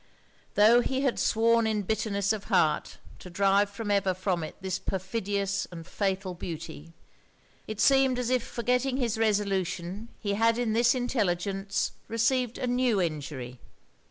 Tho' he had sworn in bitterness of heart to drive for ever from it this perfidious and fatal beauty, it seemed as if forgetting his resolution, he had in this intelligence received a new injury.